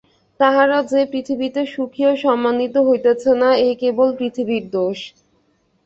তাহারা যে পৃথিবীতে সুখী ও সম্মানিত হইতেছে না, এ কেবল পৃথিবীর দোষ।